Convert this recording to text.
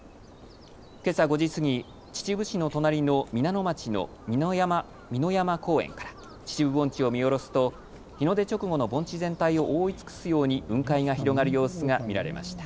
けさ５時過ぎ、秩父市の隣の皆野町の美の山公園から秩父盆地を見下ろすと日の出直後の盆地全体を覆い尽くすように雲海が広がる様子が見られました。